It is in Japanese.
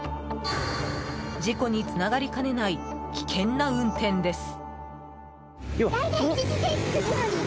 事故につながりかねない危険な運転です。